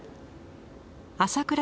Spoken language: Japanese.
朝倉